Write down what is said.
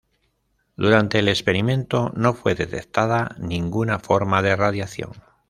Durante el experimento, no fue detectada ninguna forma de radiación.